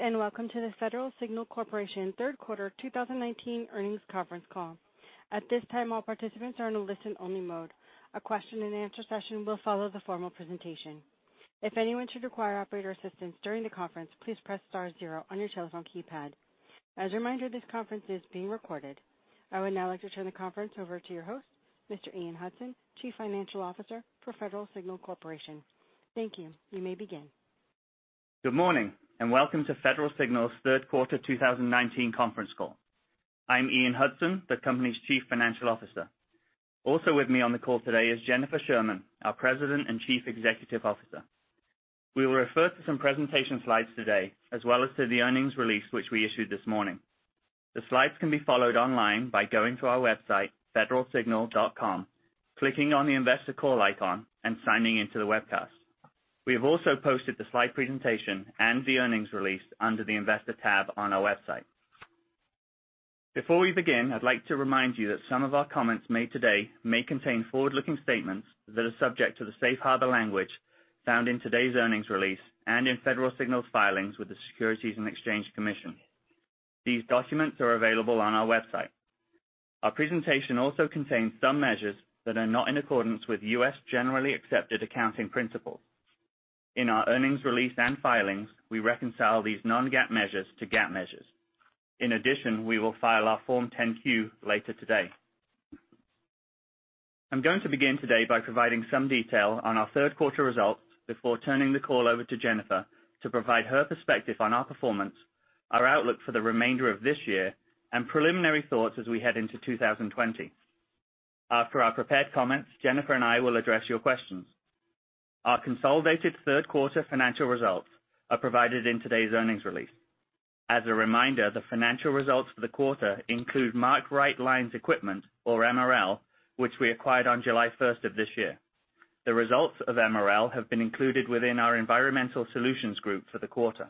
Greetings, welcome to the Federal Signal Corporation third quarter 2019 earnings conference call. At this time, all participants are in a listen-only mode. A question and answer session will follow the formal presentation. If anyone should require operator assistance during the conference, please press star zero on your telephone keypad. As a reminder, this conference is being recorded. I would now like to turn the conference over to your host, Mr. Ian Hudson, Chief Financial Officer for Federal Signal Corporation. Thank you. You may begin. Good morning, and welcome to Federal Signal's third quarter 2019 conference call. I'm Ian Hudson, the company's Chief Financial Officer. Also with me on the call today is Jennifer Sherman, our President and Chief Executive Officer. We will refer to some presentation slides today, as well as to the earnings release, which we issued this morning. The slides can be followed online by going to our website, federalsignal.com, clicking on the investor call icon, and signing in to the webcast. We have also posted the slide presentation and the earnings release under the investor tab on our website. Before we begin, I'd like to remind you that some of our comments made today may contain forward-looking statements that are subject to the safe harbor language found in today's earnings release and in Federal Signal's filings with the Securities and Exchange Commission. These documents are available on our website. Our presentation also contains some measures that are not in accordance with U.S. Generally Accepted Accounting Principles. In our earnings release and filings, we reconcile these non-GAAP measures to GAAP measures. We will file our Form 10-Q later today. I'm going to begin today by providing some detail on our third quarter results before turning the call over to Jennifer to provide her perspective on our performance, our outlook for the remainder of this year, and preliminary thoughts as we head into 2020. After our prepared comments, Jennifer and I will address your questions. Our consolidated third-quarter financial results are provided in today's earnings release. As a reminder, the financial results for the quarter include Mark Rite Lines Equipment, or MRL, which we acquired on July 1st of this year. The results of MRL have been included within our Environmental Solutions Group for the quarter.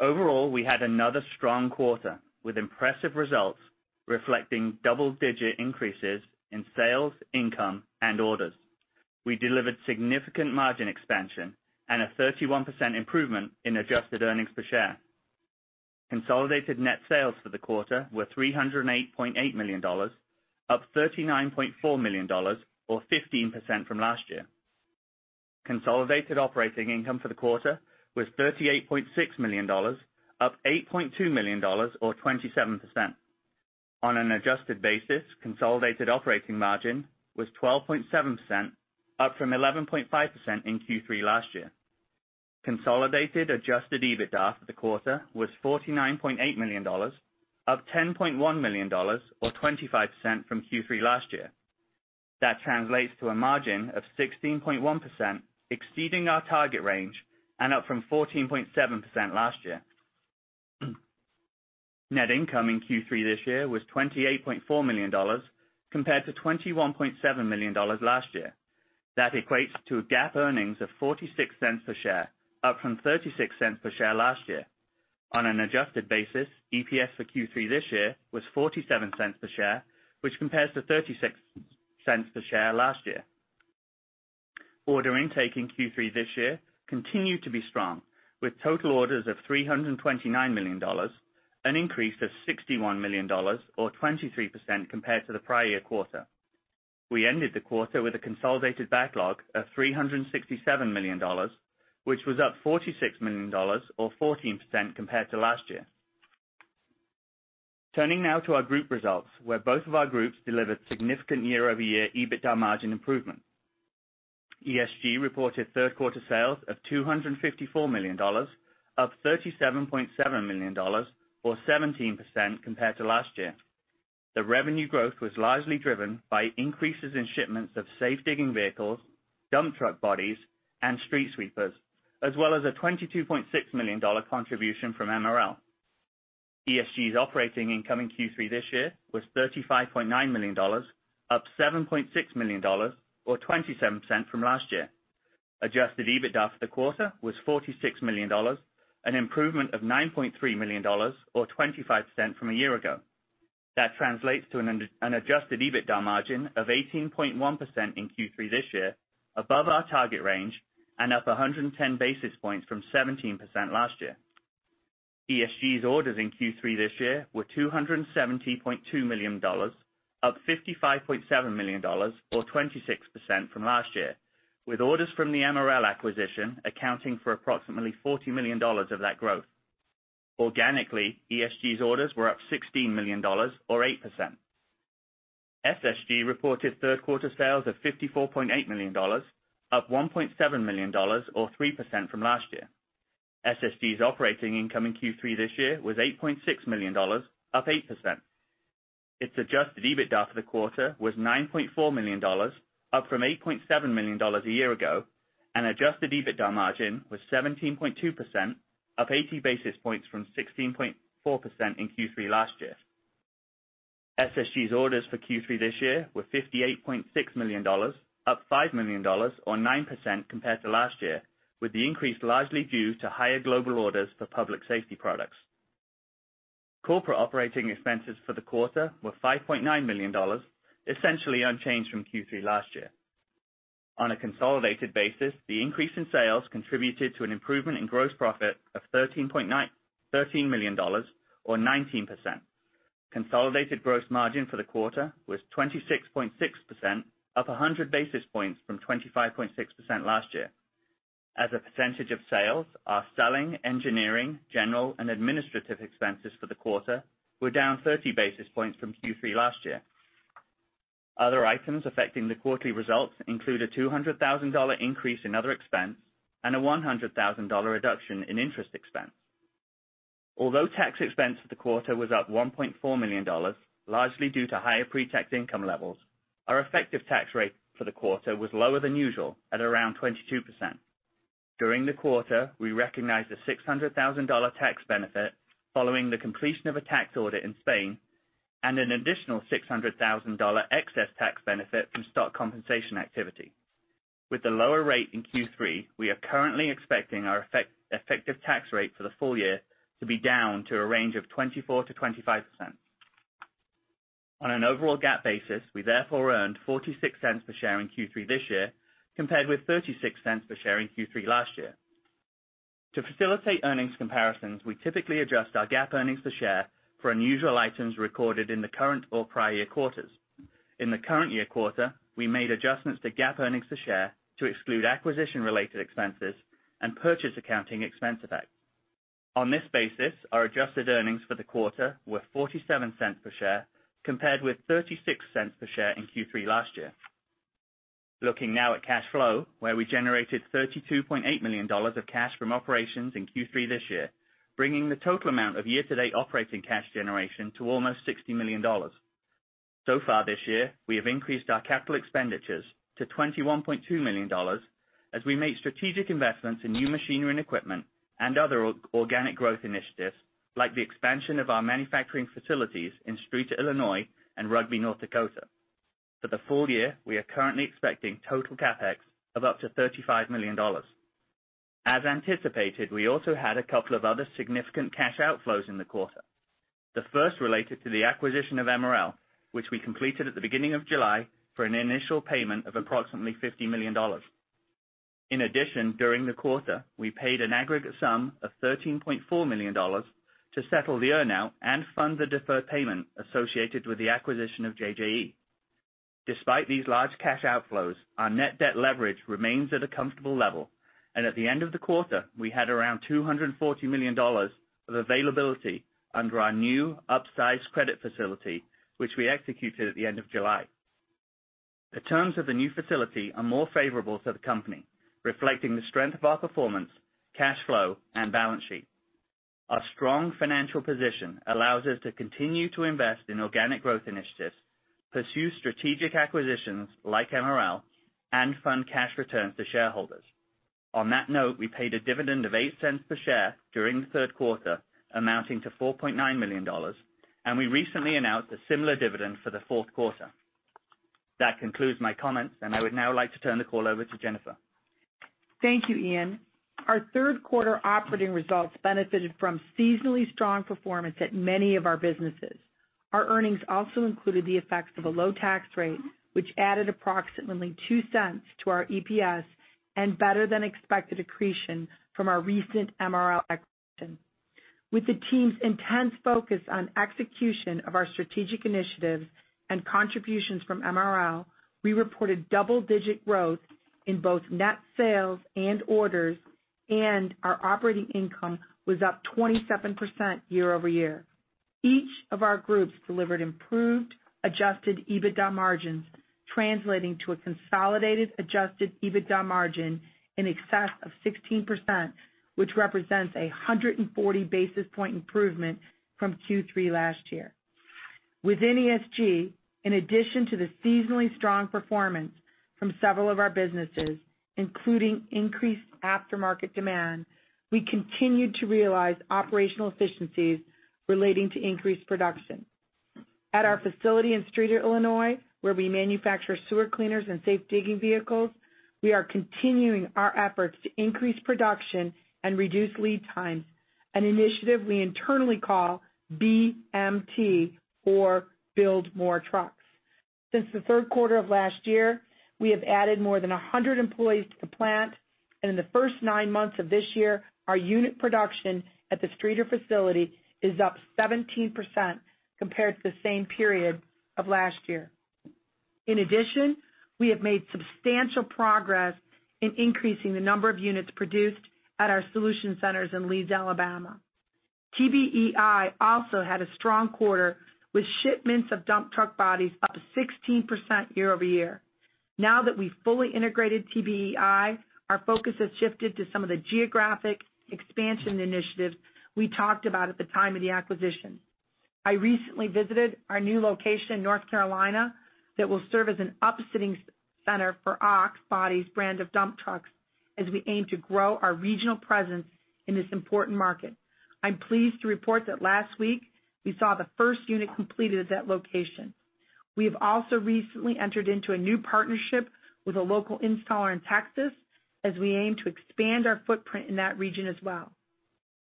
Overall, we had another strong quarter, with impressive results reflecting double-digit increases in sales, income, and orders. We delivered significant margin expansion and a 31% improvement in adjusted earnings per share. Consolidated net sales for the quarter were $308.8 million, up $39.4 million or 15% from last year. Consolidated operating income for the quarter was $38.6 million, up $8.2 million or 27%. On an adjusted basis, consolidated operating margin was 12.7%, up from 11.5% in Q3 last year. Consolidated adjusted EBITDA for the quarter was $49.8 million, up $10.1 million or 25% from Q3 last year. That translates to a margin of 16.1%, exceeding our target range and up from 14.7% last year. Net income in Q3 this year was $28.4 million, compared to $21.7 million last year. That equates to a GAAP earnings of $0.46 per share, up from $0.36 per share last year. On an adjusted basis, EPS for Q3 this year was $0.47 per share, which compares to $0.36 per share last year. Order intake in Q3 this year continued to be strong, with total orders of $329 million, an increase of $61 million or 23% compared to the prior year quarter. We ended the quarter with a consolidated backlog of $367 million, which was up $46 million or 14% compared to last year. Turning now to our group results, where both of our groups delivered significant year-over-year EBITDA margin improvement. ESG reported third-quarter sales of $254 million, up $37.7 million or 17% compared to last year. The revenue growth was largely driven by increases in shipments of safe digging vehicles, dump truck bodies, and street sweepers, as well as a $22.6 million contribution from MRL. ESG's operating income in Q3 this year was $35.9 million, up $7.6 million or 27% from last year. Adjusted EBITDA for the quarter was $46 million, an improvement of $9.3 million or 25% from a year ago. That translates to an adjusted EBITDA margin of 18.1% in Q3 this year, above our target range and up 110 basis points from 17% last year. ESG's orders in Q3 this year were $270.2 million, up $55.7 million or 26% from last year, with orders from the MRL acquisition accounting for approximately $40 million of that growth. Organically, ESG's orders were up $16 million or 8%. SSG reported third-quarter sales of $54.8 million, up $1.7 million or 3% from last year. SSG's operating income in Q3 this year was $8.6 million, up 8%. Its adjusted EBITDA for the quarter was $9.4 million, up from $8.7 million a year ago. Adjusted EBITDA margin was 17.2%, up 80 basis points from 16.4% in Q3 last year. SSG's orders for Q3 this year were $58.6 million, up $5 million or 9% compared to last year, with the increase largely due to higher global orders for public safety products. Corporate operating expenses for the quarter were $5.9 million, essentially unchanged from Q3 last year. On a consolidated basis, the increase in sales contributed to an improvement in gross profit of $13 million, or 19%. Consolidated gross margin for the quarter was 26.6%, up 100 basis points from 25.6% last year. As a percentage of sales, our selling, engineering, general, and administrative expenses for the quarter were down 30 basis points from Q3 last year. Other items affecting the quarterly results include a $200,000 increase in other expense and a $100,000 reduction in interest expense. Tax expense for the quarter was up $1.4 million, largely due to higher pre-tax income levels, our effective tax rate for the quarter was lower than usual at around 22%. During the quarter, we recognized a $600,000 tax benefit following the completion of a tax audit in Spain and an additional $600,000 excess tax benefit from stock compensation activity. With the lower rate in Q3, we are currently expecting our effective tax rate for the full year to be down to a range of 24%-25%. On an overall GAAP basis, we therefore earned $0.46 per share in Q3 this year, compared with $0.36 per share in Q3 last year. To facilitate earnings comparisons, we typically adjust our GAAP earnings per share for unusual items recorded in the current or prior year quarters. In the current year quarter, we made adjustments to GAAP earnings per share to exclude acquisition-related expenses and purchase accounting expense effects. On this basis, our adjusted earnings for the quarter were $0.47 per share, compared with $0.36 per share in Q3 last year. Looking now at cash flow, where we generated $32.8 million of cash from operations in Q3 this year, bringing the total amount of year-to-date operating cash generation to almost $60 million. Far this year, we have increased our capital expenditures to $21.2 million as we make strategic investments in new machinery and equipment and other organic growth initiatives, like the expansion of our manufacturing facilities in Streator, Illinois, and Rugby, North Dakota. For the full year, we are currently expecting total CapEx of up to $35 million. As anticipated, we also had a couple of other significant cash outflows in the quarter. The first related to the acquisition of MRL, which we completed at the beginning of July for an initial payment of approximately $50 million. During the quarter, we paid an aggregate sum of $13.4 million to settle the earn-out and fund the deferred payment associated with the acquisition of JJE. Despite these large cash outflows, our net debt leverage remains at a comfortable level. At the end of the quarter, we had around $240 million of availability under our new upsized credit facility, which we executed at the end of July. The terms of the new facility are more favorable to the company, reflecting the strength of our performance, cash flow, and balance sheet. Our strong financial position allows us to continue to invest in organic growth initiatives, pursue strategic acquisitions like MRL, and fund cash returns to shareholders. On that note, we paid a dividend of $0.08 per share during the third quarter, amounting to $4.9 million, and we recently announced a similar dividend for the fourth quarter. That concludes my comments, and I would now like to turn the call over to Jennifer. Thank you, Ian. Our third quarter operating results benefited from seasonally strong performance at many of our businesses. Our earnings also included the effects of a low tax rate, which added approximately $0.02 to our EPS and better-than-expected accretion from our recent MRL acquisition. With the team's intense focus on execution of our strategic initiatives and contributions from MRL, we reported double-digit growth in both net sales and orders, and our operating income was up 27% year-over-year. Each of our groups delivered improved adjusted EBITDA margins, translating to a consolidated adjusted EBITDA margin in excess of 16%, which represents a 140 basis point improvement from Q3 last year. Within ESG, in addition to the seasonally strong performance from several of our businesses, including increased aftermarket demand, we continued to realize operational efficiencies relating to increased production. At our facility in Streator, Illinois, where we manufacture sewer cleaners and safe digging vehicles, we are continuing our efforts to increase production and reduce lead times, an initiative we internally call BMT or Build More Trucks. Since the third quarter of last year, we have added more than 100 employees to the plant, and in the first nine months of this year, our unit production at the Streator facility is up 17% compared to the same period of last year. In addition, we have made substantial progress in increasing the number of units produced at our solution centers in Leeds, Alabama. TBEI also had a strong quarter with shipments of dump truck bodies up 16% year-over-year. Now that we've fully integrated TBEI, our focus has shifted to some of the geographic expansion initiatives we talked about at the time of the acquisition. I recently visited our new location in North Carolina that will serve as an upfitting center for Ox Bodies brand of dump trucks as we aim to grow our regional presence in this important market. I'm pleased to report that last week we saw the first unit completed at that location. We have also recently entered into a new partnership with a local installer in Texas as we aim to expand our footprint in that region as well.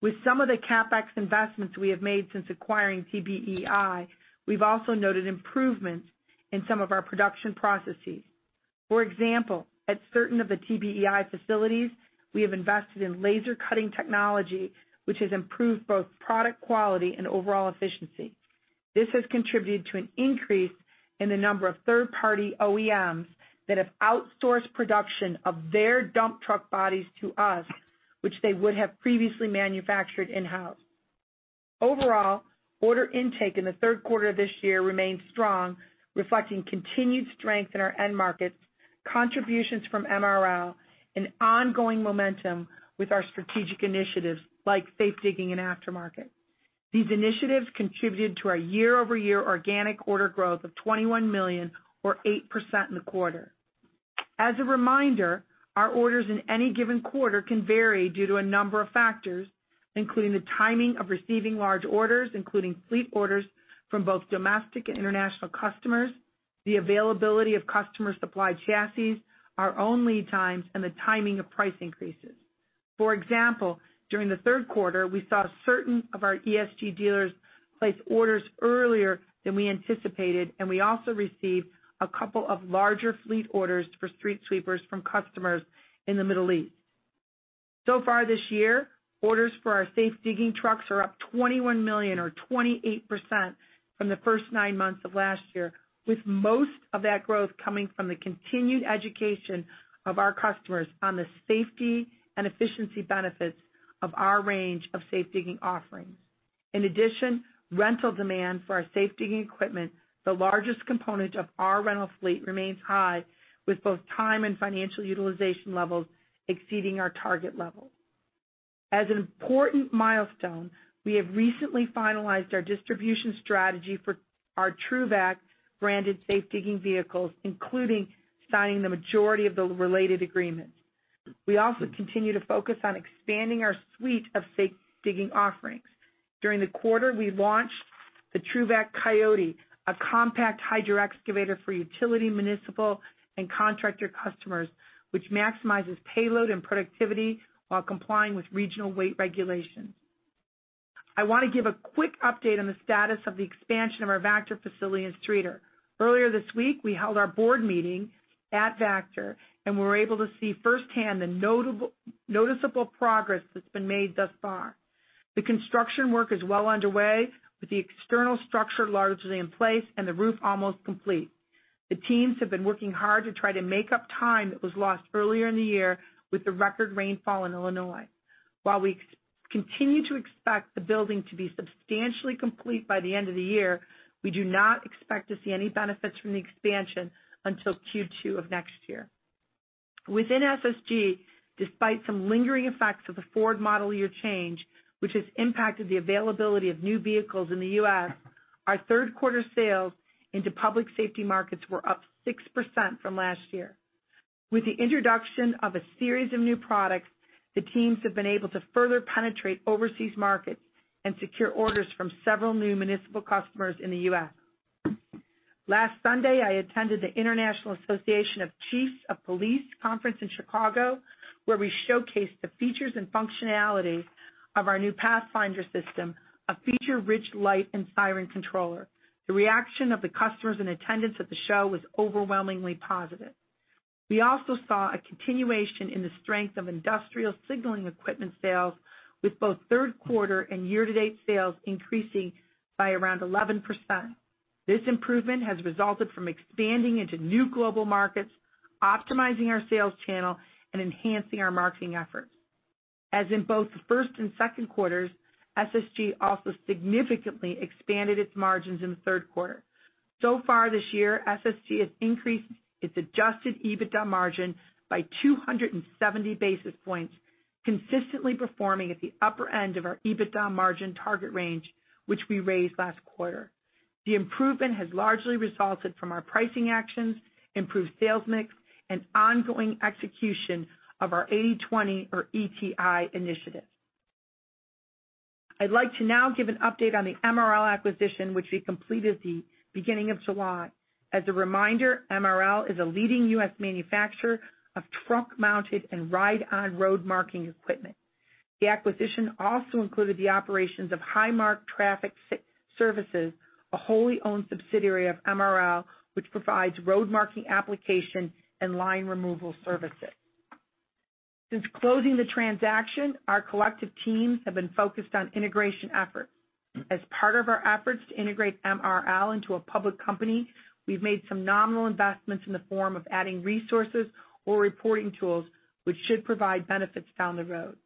With some of the CapEx investments we have made since acquiring TBEI, we've also noted improvements in some of our production processes. For example, at certain of the TBEI facilities, we have invested in laser cutting technology, which has improved both product quality and overall efficiency. This has contributed to an increase in the number of third-party OEMs that have outsourced production of their dump truck bodies to us, which they would have previously manufactured in-house. Overall, order intake in the third quarter of this year remained strong, reflecting continued strength in our end markets, contributions from MRL, and ongoing momentum with our strategic initiatives like safe digging and aftermarket. These initiatives contributed to our year-over-year organic order growth of $21 million or 8% in the quarter. As a reminder, our orders in any given quarter can vary due to a number of factors, including the timing of receiving large orders, including fleet orders from both domestic and international customers, the availability of customer supply chassis, our own lead times, and the timing of price increases. For example, during the third quarter, we saw certain of our ESG dealers place orders earlier than we anticipated, and we also received a couple of larger fleet orders for street sweepers from customers in the Middle East. This year, orders for our safe digging trucks are up $21 million or 28% from the first nine months of last year, with most of that growth coming from the continued education of our customers on the safety and efficiency benefits of our range of safe digging offerings. In addition, rental demand for our safe digging equipment, the largest component of our rental fleet, remains high with both time and financial utilization levels exceeding our target level. As an important milestone, we have recently finalized our distribution strategy for our TRUVAC branded safe digging vehicles, including signing the majority of the related agreements. We also continue to focus on expanding our suite of safe digging offerings. During the quarter, we launched the TRUVAC Coyote, a compact hydro excavator for utility, municipal, and contractor customers, which maximizes payload and productivity while complying with regional weight regulations. I want to give a quick update on the status of the expansion of our Vactor facility in Streator. Earlier this week, we held our board meeting at Vactor, and we were able to see firsthand the noticeable progress that's been made thus far. The construction work is well underway, with the external structure largely in place and the roof almost complete. The teams have been working hard to try to make up time that was lost earlier in the year with the record rainfall in Illinois. While we continue to expect the building to be substantially complete by the end of the year, we do not expect to see any benefits from the expansion until Q2 of next year. Within SSG, despite some lingering effects of the Ford model year change, which has impacted the availability of new vehicles in the U.S., our third quarter sales into public safety markets were up 6% from last year. With the introduction of a series of new products, the teams have been able to further penetrate overseas markets and secure orders from several new municipal customers in the U.S. Last Sunday, I attended the International Association of Chiefs of Police Conference in Chicago, where we showcased the features and functionality of our new Pathfinder system, a feature-rich light and siren controller. The reaction of the customers in attendance at the show was overwhelmingly positive. We also saw a continuation in the strength of industrial signaling equipment sales, with both third quarter and year-to-date sales increasing by around 11%. This improvement has resulted from expanding into new global markets, optimizing our sales channel, and enhancing our marketing efforts. As in both the first and second quarters, SSG also significantly expanded its margins in the third quarter. This year, SSG has increased its adjusted EBITDA margin by 270 basis points, consistently performing at the upper end of our EBITDA margin target range, which we raised last quarter. The improvement has largely resulted from our pricing actions, improved sales mix, and ongoing execution of our 80/20 or ETI initiative. I'd like to now give an update on the MRL acquisition, which we completed the beginning of July. As a reminder, MRL is a leading U.S. manufacturer of truck-mounted and ride-on road marking equipment. The acquisition also included the operations of HighMark Traffic Services, a wholly owned subsidiary of MRL, which provides road marking application and line removal services. Since closing the transaction, our collective teams have been focused on integration efforts. As part of our efforts to integrate MRL into a public company, we've made some nominal investments in the form of adding resources or reporting tools, which should provide benefits down the road.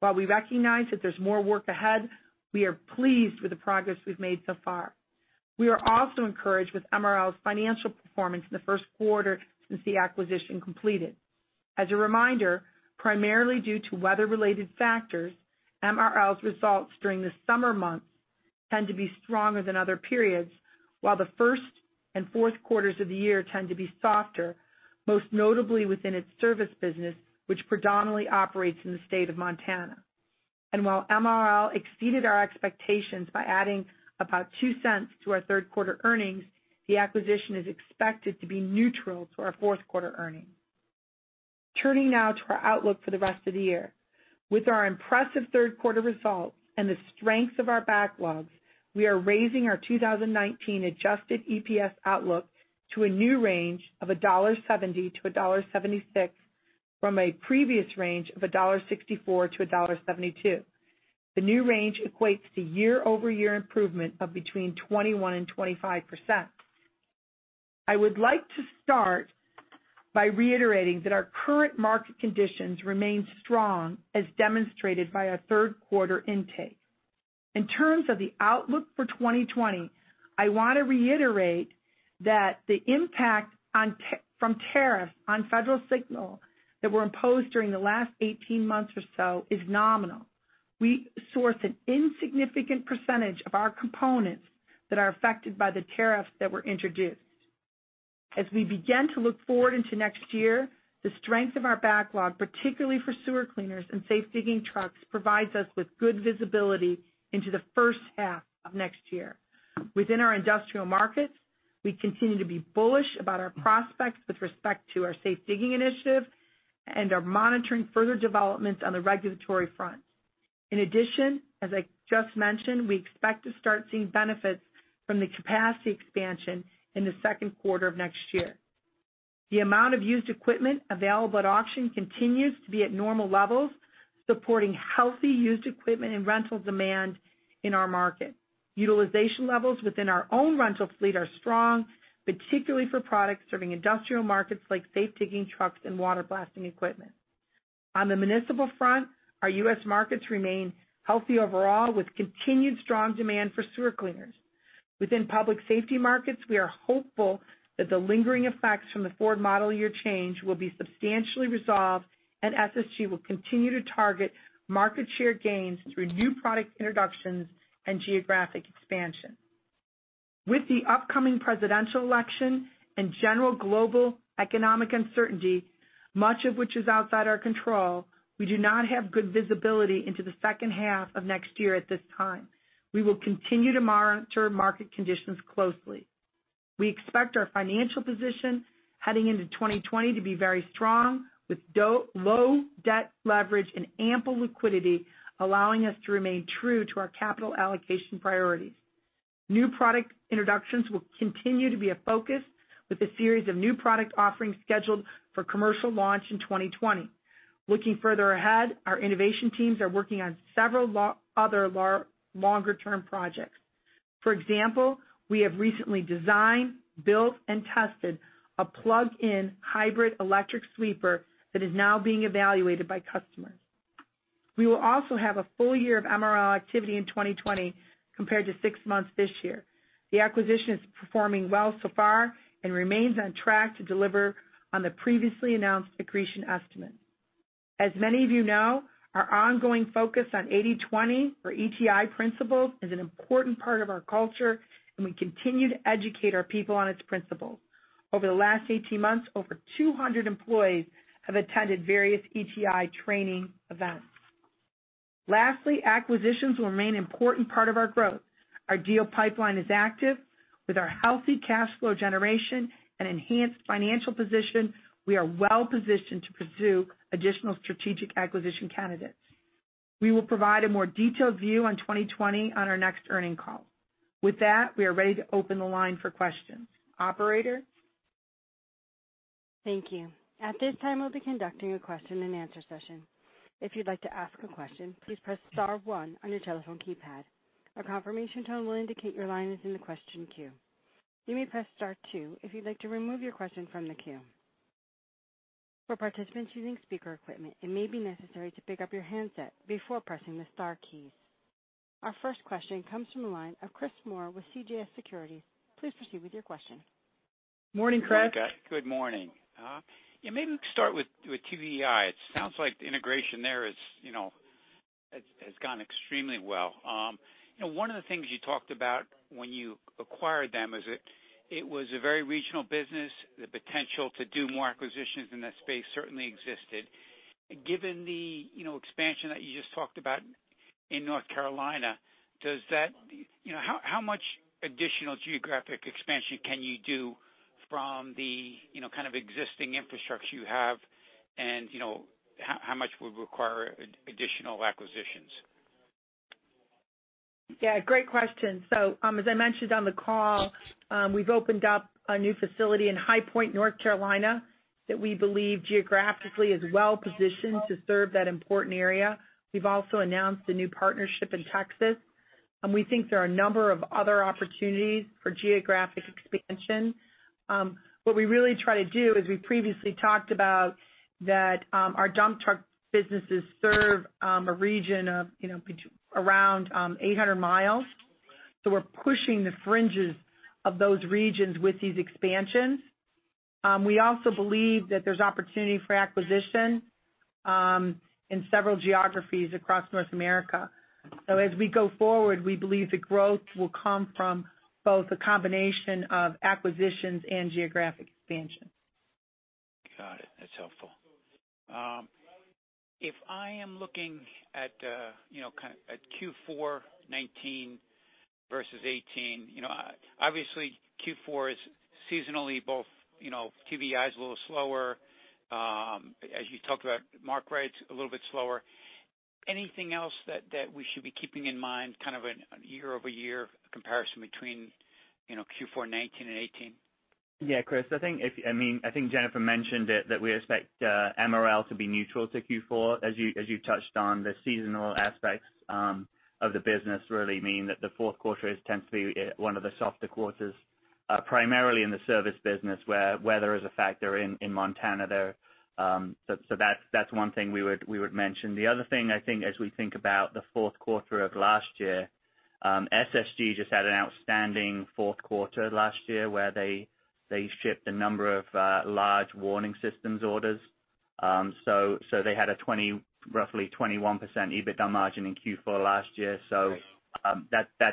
While we recognize that there's more work ahead, we are pleased with the progress we've made so far. We are also encouraged with MRL's financial performance in the first quarter since the acquisition completed. As a reminder, primarily due to weather-related factors, Mark Rite's results during the summer months tend to be stronger than other periods, while the first and fourth quarters of the year tend to be softer, most notably within its service business, which predominantly operates in the state of Montana. While Mark Rite exceeded our expectations by adding about $0.02 to our third quarter earnings, the acquisition is expected to be neutral to our fourth quarter earnings. Turning now to our outlook for the rest of the year. With our impressive third quarter results and the strength of our backlogs, we are raising our 2019 adjusted EPS outlook to a new range of $1.70-$1.76, from a previous range of $1.64-$1.72. The new range equates to year-over-year improvement of between 21%-25%. I would like to start by reiterating that our current market conditions remain strong as demonstrated by our third quarter intake. In terms of the outlook for 2020, I want to reiterate that the impact from tariffs on Federal Signal that were imposed during the last 18 months or so is nominal. We source an insignificant percentage of our components that are affected by the tariffs that were introduced. As we begin to look forward into next year, the strength of our backlog, particularly for sewer cleaners and safe digging trucks, provides us with good visibility into the first half of next year. Within our industrial markets, we continue to be bullish about our prospects with respect to our Safe Digging initiative and are monitoring further developments on the regulatory front. In addition, as I just mentioned, we expect to start seeing benefits from the capacity expansion in the second quarter of next year. The amount of used equipment available at auction continues to be at normal levels, supporting healthy used equipment and rental demand in our market. Utilization levels within our own rental fleet are strong, particularly for products serving industrial markets like safe digging trucks and water blasting equipment. On the municipal front, our U.S. markets remain healthy overall, with continued strong demand for sewer cleaners. Within public safety markets, we are hopeful that the lingering effects from the Ford model year change will be substantially resolved, and SSG will continue to target market share gains through new product introductions and geographic expansion. With the upcoming presidential election and general global economic uncertainty, much of which is outside our control, we do not have good visibility into the second half of next year at this time. We will continue to monitor market conditions closely. We expect our financial position heading into 2020 to be very strong with low debt leverage and ample liquidity, allowing us to remain true to our capital allocation priorities. New product introductions will continue to be a focus with a series of new product offerings scheduled for commercial launch in 2020. Looking further ahead, our innovation teams are working on several other longer-term projects. For example, we have recently designed, built, and tested a plug-in hybrid electric sweeper that is now being evaluated by customers. We will also have a full year of MRL activity in 2020 compared to six months this year. The acquisition is performing well so far and remains on track to deliver on the previously announced accretion estimate. As many of you know, our ongoing focus on 80/20 or ETI principles is an important part of our culture, and we continue to educate our people on its principles. Over the last 18 months, over 200 employees have attended various ETI training events. Lastly, acquisitions will remain an important part of our growth. Our deal pipeline is active. With our healthy cash flow generation and enhanced financial position, we are well positioned to pursue additional strategic acquisition candidates. We will provide a more detailed view on 2020 on our next earning call. With that, we are ready to open the line for questions. Operator? Thank you. At this time, we'll be conducting a question and answer session. If you'd like to ask a question, please press star one on your telephone keypad. A confirmation tone will indicate your line is in the question queue. You may press star two if you'd like to remove your question from the queue. For participants using speaker equipment, it may be necessary to pick up your handset before pressing the star keys. Our first question comes from the line of Chris Moore with CJS Securities. Please proceed with your question. Morning, Chris. Good morning. Yeah, maybe we could start with TBEI. It sounds like the integration there has gone extremely well. One of the things you talked about when you acquired them is it was a very regional business. The potential to do more acquisitions in that space certainly existed. Given the expansion that you just talked about in North Carolina, how much additional geographic expansion can you do from the kind of existing infrastructure you have, and how much would require additional acquisitions? Yeah, great question. As I mentioned on the call, we've opened up a new facility in High Point, North Carolina, that we believe geographically is well positioned to serve that important area. We've also announced a new partnership in Texas. We think there are a number of other opportunities for geographic expansion. What we really try to do is, we previously talked about that our dump truck businesses serve a region of around 800 miles. We're pushing the fringes of those regions with these expansions. We also believe that there's opportunity for acquisition in several geographies across North America. As we go forward, we believe the growth will come from both a combination of acquisitions and geographic expansion. That's helpful. If I am looking at Q4 2019 versus 2018, obviously Q4 is seasonally both, TBEI is a little slower. As you talked about, Mark Rite's a little bit slower. Anything else that we should be keeping in mind, kind of a year-over-year comparison between Q4 2019 and 2018? Yeah, Chris, I think Jennifer mentioned that we expect MRL to be neutral to Q4. As you touched on, the seasonal aspects of the business really mean that the fourth quarter tends to be one of the softer quarters, primarily in the service business, where weather is a factor in Montana there. The other thing, I think, as we think about the fourth quarter of last year, SSG just had an outstanding fourth quarter last year where they shipped a number of large warning systems orders. They had a roughly 21% EBITDA margin in Q4 last year. Right.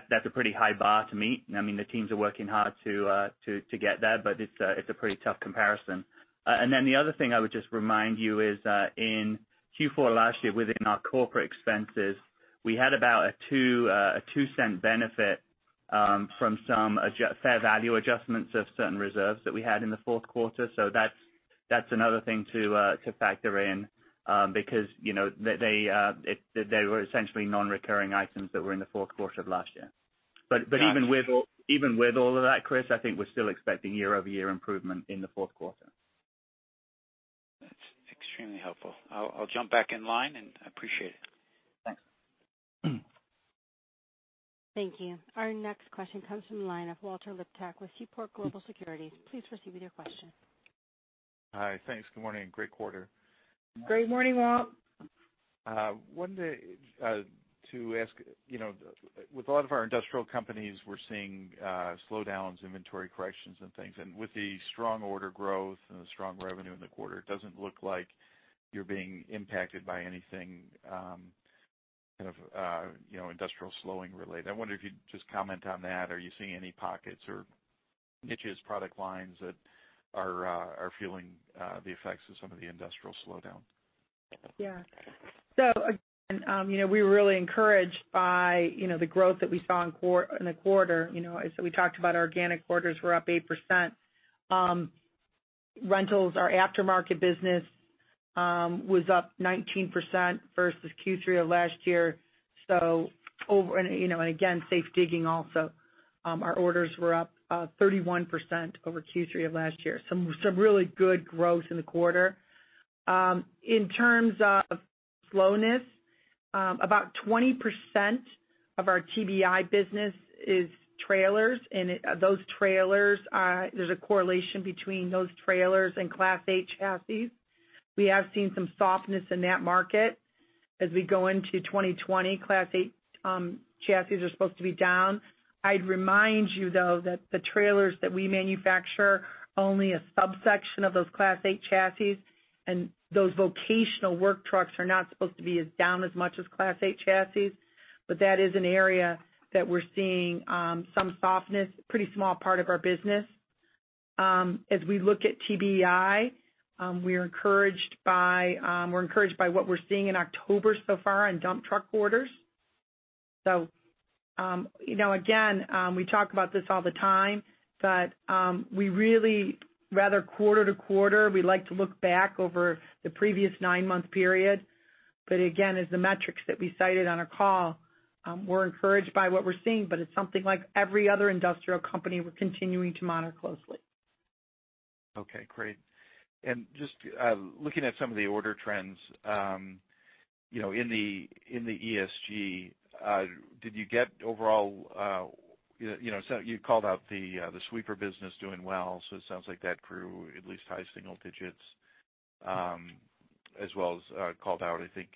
That's a pretty high bar to meet, and the teams are working hard to get there, but it's a pretty tough comparison. The other thing I would just remind you is, in Q4 last year, within our corporate expenses, we had about a $0.02 benefit from some fair value adjustments of certain reserves that we had in the fourth quarter. That's another thing to factor in because they were essentially non-recurring items that were in the fourth quarter of last year. Even with all of that, Chris, I think we're still expecting year-over-year improvement in the fourth quarter. That's extremely helpful. I'll jump back in line, and I appreciate it. Thanks. Thank you. Our next question comes from the line of Walter Liptak with Seaport Global Securities. Please proceed with your question. Hi. Thanks. Good morning. Great quarter. Great morning, Walt. Wanted to ask, with a lot of our industrial companies, we're seeing slowdowns, inventory corrections and things. With the strong order growth and the strong revenue in the quarter, it doesn't look like you're being impacted by anything kind of industrial slowing related. I wonder if you'd just comment on that. Are you seeing any pockets or niches, product lines that are feeling the effects of some of the industrial slowdown? Yeah. Again, we were really encouraged by the growth that we saw in the quarter. We talked about, our organic orders were up 8%. Rentals, our aftermarket business, was up 19% versus Q3 of last year. Again, safe digging also. Our orders were up 31% over Q3 of last year. Some really good growth in the quarter. In terms of slowness, about 20% of our TBEI business is trailers, and there's a correlation between those trailers and Class 8 chassis. We go into 2020, Class 8 chassis are supposed to be down. I'd remind you, though, that the trailers that we manufacture are only a subsection of those Class 8 chassis, and those vocational work trucks are not supposed to be as down as much as Class 8 chassis. That is an area that we're seeing some softness. Pretty small part of our business. As we look at TBEI, we're encouraged by what we're seeing in October so far on dump truck orders. Again, we talk about this all the time, but rather quarter to quarter, we like to look back over the previous nine-month period. Again, as the metrics that we cited on our call, we're encouraged by what we're seeing, but it's something like every other industrial company we're continuing to monitor closely. Okay, great. Just looking at some of the order trends, in the ESG, you called out the sweeper business doing well, so it sounds like that grew at least high single digits, as well as called out, I think,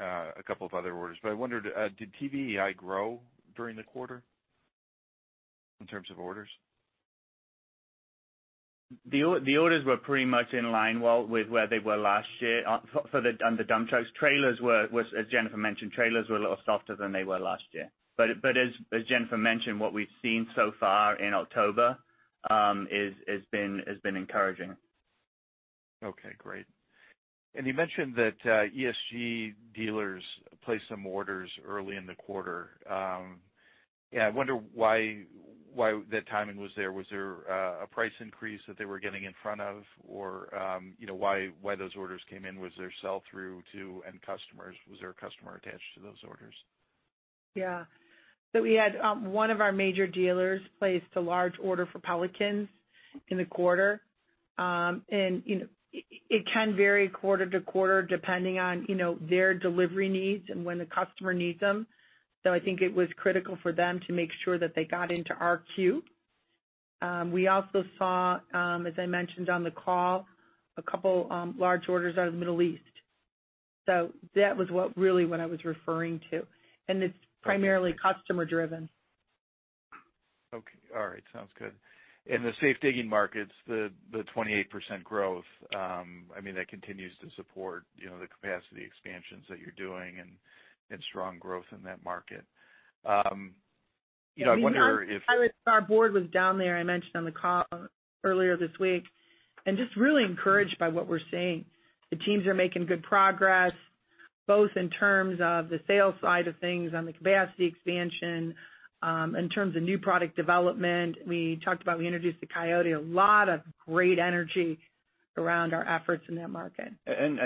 a couple of other orders. I wondered, did TBEI grow during the quarter in terms of orders? The orders were pretty much in line, Walt, with where they were last year on the dump trucks. As Jennifer mentioned, trailers were a little softer than they were last year. As Jennifer mentioned, what we've seen so far in October has been encouraging. Okay, great. You mentioned that ESG dealers placed some orders early in the quarter. Yeah, I wonder why that timing was there. Was there a price increase that they were getting in front of? Why those orders came in? Was there sell-through to end customers? Was there a customer attached to those orders? Yeah. We had one of our major dealers place a large order for Pelican in the quarter. It can vary quarter to quarter, depending on their delivery needs and when the customer needs them. I think it was critical for them to make sure that they got into our queue. We also saw, as I mentioned on the call, a couple large orders out of the Middle East. That was what really what I was referring to, and it's primarily customer driven. Okay. All right. Sounds good. In the safe digging markets, the 28% growth, that continues to support the capacity expansions that you're doing and strong growth in that market. I wonder if- Our board was down there, I mentioned on the call earlier this week, and just really encouraged by what we're seeing. The teams are making good progress, both in terms of the sales side of things, on the capacity expansion. In terms of new product development, we talked about, we introduced the Coyote. A lot of great energy around our efforts in that market.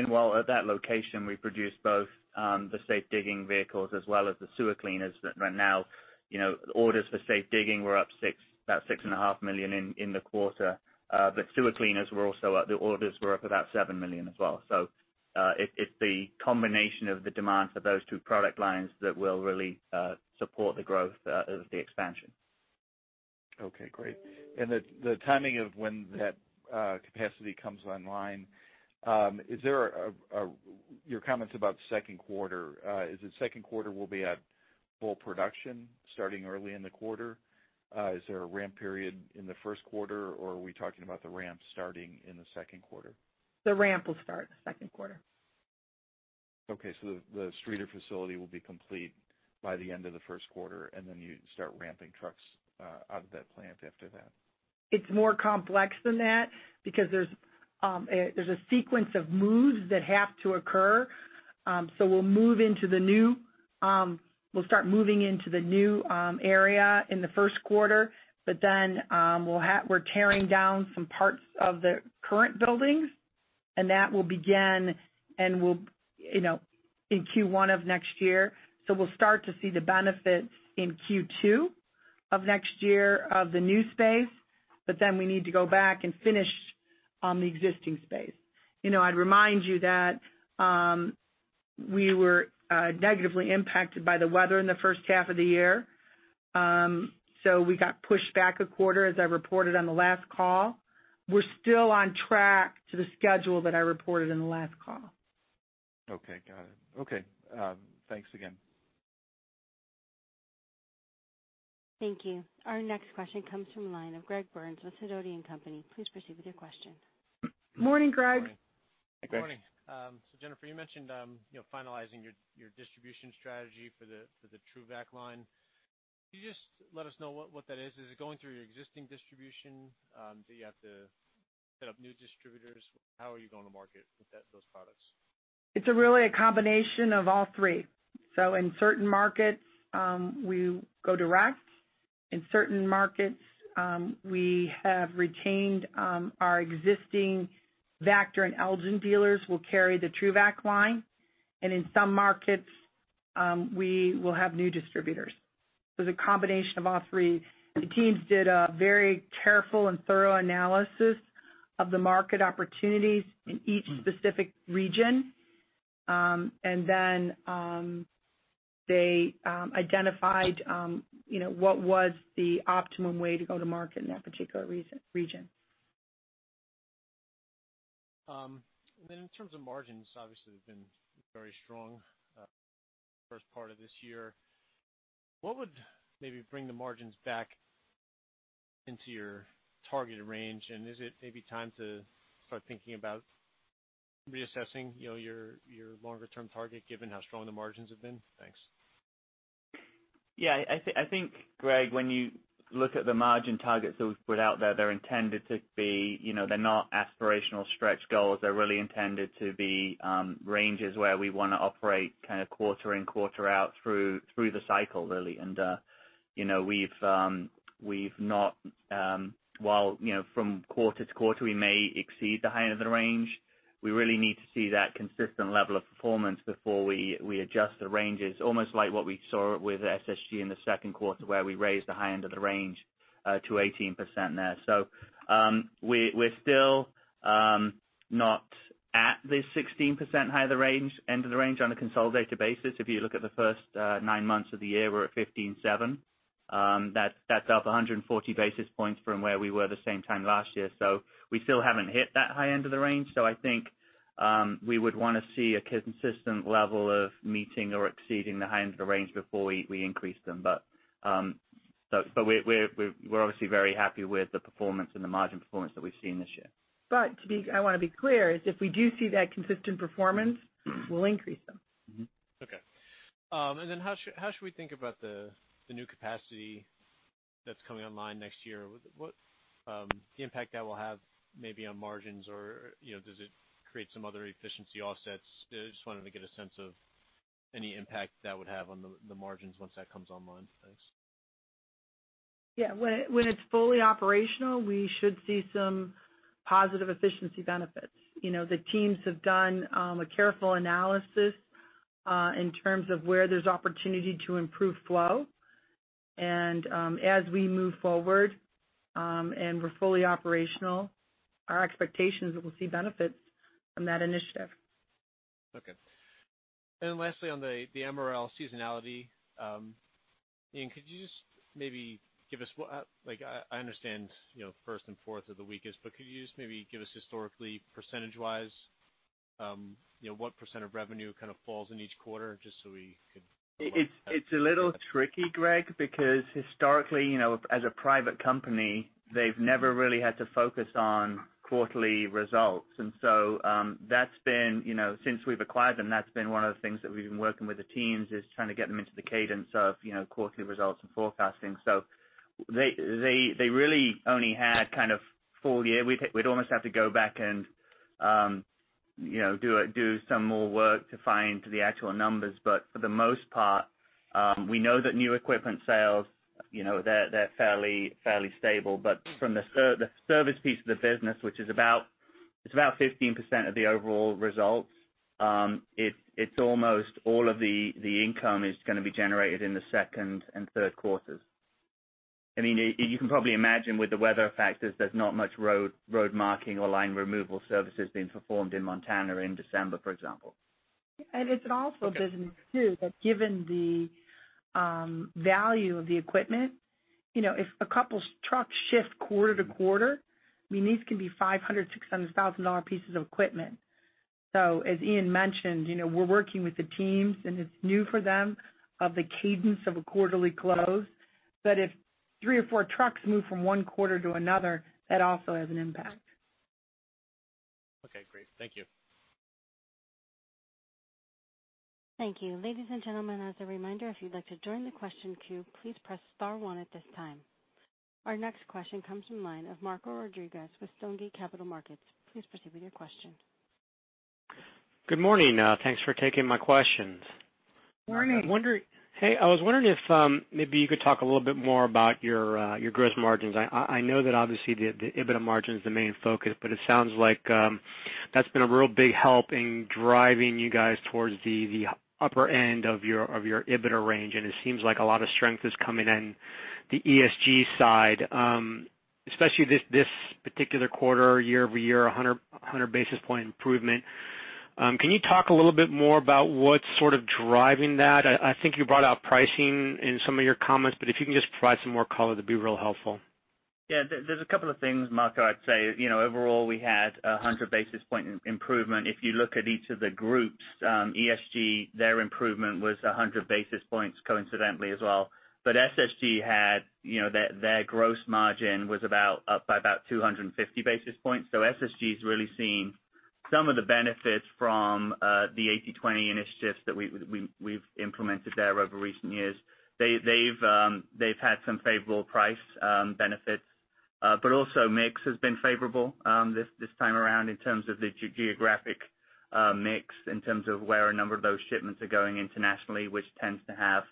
While at that location, we produce both the safe digging vehicles as well as the sewer cleaners. Right now, the orders for safe digging were up about six and a half million in the quarter. Sewer cleaners were also up. The orders were up about $7 million as well. It's the combination of the demands for those two product lines that will really support the growth of the expansion. Okay, great. The timing of when that capacity comes online, your comments about second quarter, is it second quarter will be at full production starting early in the quarter? Is there a ramp period in the first quarter, or are we talking about the ramp starting in the second quarter? The ramp will start second quarter. The Streator facility will be complete by the end of the first quarter, and then you start ramping trucks out of that plant after that. It's more complex than that because there's a sequence of moves that have to occur. We'll start moving into the new area in the first quarter. We're tearing down some parts of the current buildings, and that will begin in Q1 of next year. We'll start to see the benefits in Q2 of next year of the new space. We need to go back and finish on the existing space. I'd remind you that we were negatively impacted by the weather in the first half of the year. We got pushed back a quarter, as I reported on the last call. We're still on track to the schedule that I reported in the last call. Okay, got it. Okay, thanks again. Thank you. Our next question comes from the line of Gregory Burns with Sidoti & Company. Please proceed with your question. Morning, Greg. Morning. Hi, Greg. Morning. Jennifer, you mentioned finalizing your distribution strategy for the TRUVAC line. Could you just let us know what that is? Is it going through your existing distribution? Do you have to set up new distributors? How are you going to market those products? It's really a combination of all three. In certain markets, we go direct. In certain markets, we have retained our existing Vactor and Elgin dealers will carry the TRUVAC line. In some markets, we will have new distributors. It's a combination of all three. The teams did a very careful and thorough analysis of the market opportunities in each specific region. They identified what was the optimum way to go to market in that particular region. In terms of margins, obviously they've been very strong first part of this year. What would maybe bring the margins back into your targeted range? Is it maybe time to start thinking about reassessing your longer-term target, given how strong the margins have been? Thanks. I think, Greg, when you look at the margin targets that we've put out there, they're not aspirational stretch goals. They're really intended to be ranges where we want to operate kind of quarter in, quarter out through the cycle, really. While from quarter to quarter, we may exceed the high end of the range, we really need to see that consistent level of performance before we adjust the ranges. Almost like what we saw with SSG in the second quarter where we raised the high end of the range to 18% there. We're still not at the 16% high end of the range on a consolidated basis. If you look at the first nine months of the year, we're at 15.7%. That's up 140 basis points from where we were the same time last year. We still haven't hit that high end of the range. I think we would want to see a consistent level of meeting or exceeding the high end of the range before we increase them. We're obviously very happy with the performance and the margin performance that we've seen this year. I want to be clear, is if we do see that consistent performance, we'll increase them. Okay. How should we think about the new capacity that's coming online next year? The impact that will have maybe on margins or does it create some other efficiency offsets? I just wanted to get a sense of any impact that would have on the margins once that comes online. Thanks. Yeah. When it's fully operational, we should see some positive efficiency benefits. The teams have done a careful analysis in terms of where there's opportunity to improve flow. As we move forward and we're fully operational, our expectation is that we'll see benefits from that initiative. Okay. Lastly, on the MRL seasonality, Ian, I understand first and fourth are the weakest, but could you just maybe give us historically, percentage-wise, what % of revenue kind of falls in each quarter? It's a little tricky, Greg, because historically, as a private company, they've never really had to focus on quarterly results. Since we've acquired them, that's been one of the things that we've been working with the teams is trying to get them into the cadence of quarterly results and forecasting. They really only had kind of full year. We'd almost have to go back and do some more work to find the actual numbers. For the most part, we know that new equipment sales they're fairly stable. From the service piece of the business, which is about 15% of the overall results, it's almost all of the income is going to be generated in the second and third quarters. You can probably imagine with the weather factors there's not much road marking or line removal services being performed in Montana in December, for example. It's an awful business too, that given the value of the equipment, if a couple trucks shift quarter to quarter, these can be $500,000, $600,000 pieces of equipment. As Ian mentioned, we're working with the teams, and it's new for them of the cadence of a quarterly close. If three or four trucks move from one quarter to another, that also has an impact. Okay, great. Thank you. Thank you. Ladies and gentlemen, as a reminder, if you'd like to join the question queue, please press star one at this time. Our next question comes from line of Marco Rodriguez with Stonegate Capital Markets. Please proceed with your question. Good morning. Thanks for taking my questions. Morning. Hey, I was wondering if maybe you could talk a little bit more about your gross margins. I know that obviously the EBITDA margin is the main focus, but it sounds like that's been a real big help in driving you guys towards the upper end of your EBITDA range, and it seems like a lot of strength is coming in the ESG side, especially this particular quarter, year-over-year, 100 basis point improvement. Can you talk a little bit more about what's sort of driving that? I think you brought out pricing in some of your comments, but if you can just provide some more color, that'd be real helpful. Yeah. There's a couple of things, Marco, I'd say. Overall, we had 100 basis point improvement. If you look at each of the groups, ESG, their improvement was 100 basis points coincidentally as well. SSG, their gross margin was up by about 250 basis points. SSG's really seen some of the benefits from the 80/20 initiatives that we've implemented there over recent years. They've had some favorable price benefits. Also mix has been favorable this time around in terms of the geographic mix, in terms of where a number of those shipments are going internationally, which tends to have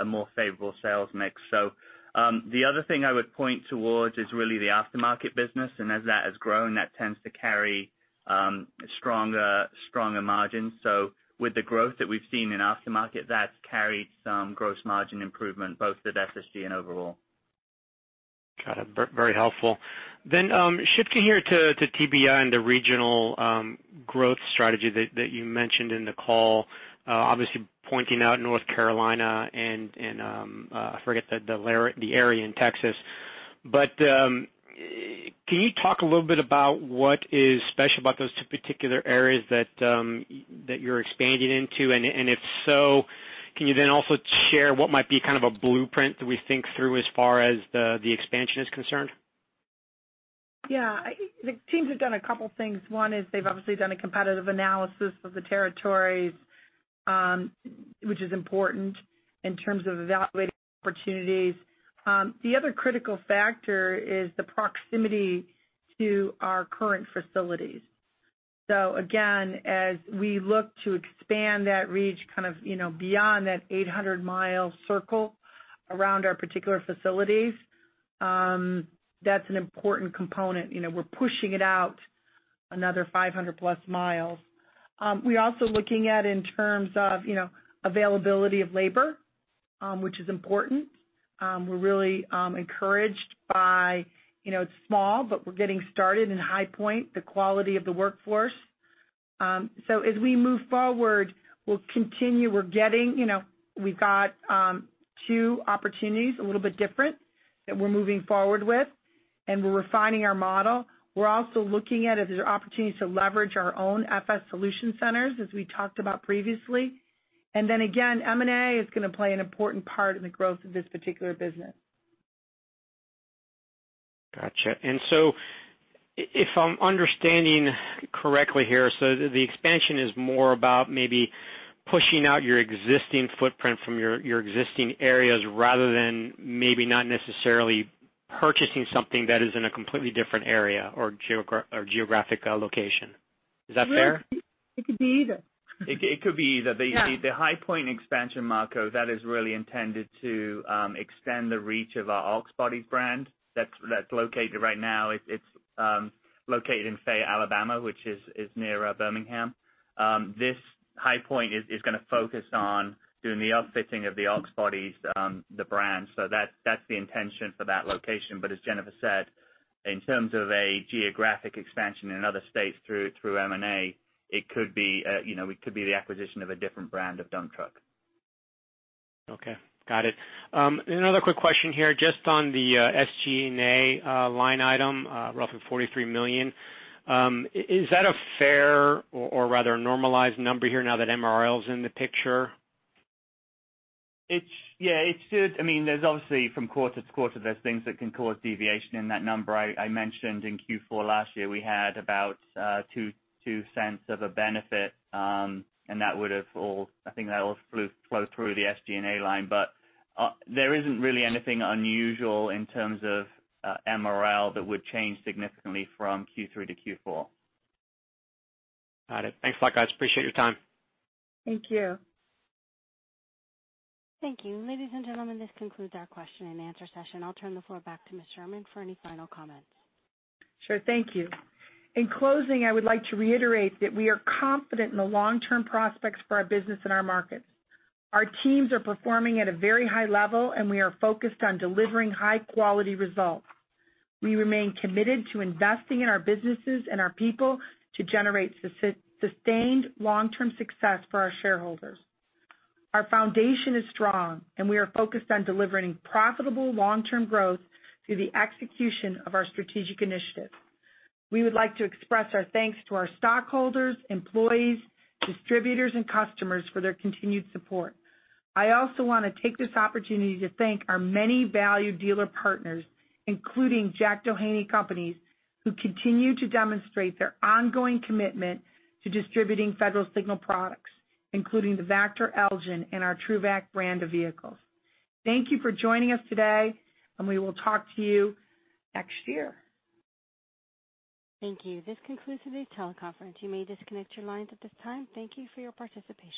a more favorable sales mix. The other thing I would point towards is really the aftermarket business, and as that has grown, that tends to carry stronger margins. With the growth that we've seen in aftermarket, that's carried some gross margin improvement both at SSG and overall. Got it. Very helpful. Shifting here to TBEI and the regional growth strategy that you mentioned in the call. Obviously pointing out North Carolina and, I forget the area in Texas. Can you talk a little bit about what is special about those two particular areas that you're expanding into? If so, can you then also share what might be kind of a blueprint that we think through as far as the expansion is concerned? The teams have done a couple things. One is they've obviously done a competitive analysis of the territories, which is important in terms of evaluating opportunities. The other critical factor is the proximity to our current facilities. Again, as we look to expand that reach kind of beyond that 800-mile circle around our particular facilities, that's an important component. We're pushing it out another 500-plus miles. We're also looking at in terms of availability of labor, which is important. We're really encouraged by, it's small, but we're getting started in High Point, the quality of the workforce. As we move forward, we'll continue. We've got two opportunities, a little bit different, that we're moving forward with, and we're refining our model. We're also looking at if there's opportunities to leverage our own FS Solutions centers, as we talked about previously. Again, M&A is going to play an important part in the growth of this particular business. Gotcha. If I'm understanding correctly here, so the expansion is more about maybe pushing out your existing footprint from your existing areas rather than maybe not necessarily purchasing something that is in a completely different area or geographic location. Is that fair? It could be either. It could be either. Yeah. The High Point expansion, Marco, that is really intended to extend the reach of our Ox Bodies brand. Right now it's located in Fayette, Alabama, which is near Birmingham. This High Point is going to focus on doing the upfitting of the Ox Bodies, the brand. That's the intention for that location. As Jennifer said, in terms of a geographic expansion in other states through M&A, it could be the acquisition of a different brand of dump truck. Okay, got it. Another quick question here, just on the SG&A line item, roughly $43 million. Is that a fair or rather normalized number here now that MRL is in the picture? Yeah. There's obviously from quarter to quarter, there's things that can cause deviation in that number. I mentioned in Q4 last year, we had about $0.02 of a benefit, and I think that all flows through the SGA line. There isn't really anything unusual in terms of MRL that would change significantly from Q3 to Q4. Got it. Thanks a lot, guys. Appreciate your time. Thank you. Thank you. Ladies and gentlemen, this concludes our question and answer session. I'll turn the floor back to Ms. Sherman for any final comments. Sure. Thank you. In closing, I would like to reiterate that we are confident in the long-term prospects for our business and our markets. Our teams are performing at a very high level, and we are focused on delivering high-quality results. We remain committed to investing in our businesses and our people to generate sustained long-term success for our shareholders. Our foundation is strong, and we are focused on delivering profitable long-term growth through the execution of our strategic initiatives. We would like to express our thanks to our stockholders, employees, distributors, and customers for their continued support. I also want to take this opportunity to thank our many valued dealer partners, including Jack Doheny Company, who continue to demonstrate their ongoing commitment to distributing Federal Signal products, including the Vactor, Elgin, and our TRUVAC brand of vehicles. Thank you for joining us today, and we will talk to you next year. Thank you. This concludes today's teleconference. You may disconnect your lines at this time. Thank you for your participation.